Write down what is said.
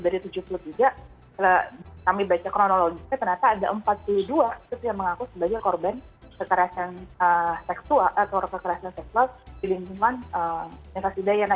dari tujuh puluh tiga kami baca kronologinya ternyata ada empat puluh dua yang mengaku sebagai korban kekerasan seksual di lingkungan universitas udayana